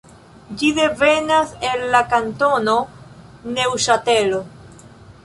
Ĝi devenas el la kantono Neŭŝatelo.